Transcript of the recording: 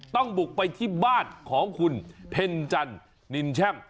ต้องบุกไปที่บ้านของคุณเพ็ญจันนินแช่ม